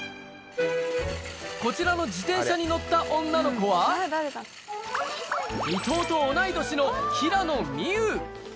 こちらの自転車に乗った女の子は、伊藤と同い年の平野美宇。